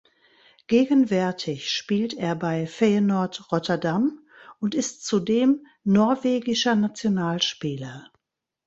Gegenwärtig spielt er bei Feyenoord Rotterdam und ist zudem norwegischer Nationalspieler.